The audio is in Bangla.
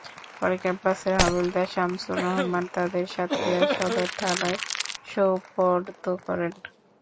পরে ক্যাম্পের হাবিলদার শামছুর রহমান তাঁদের সাতক্ষীরা সদর থানায় সোপর্দ করেন।